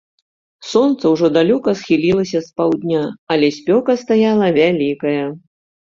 Сонца ўжо далёка схілілася з паўдня, але спёка стаяла вялікая.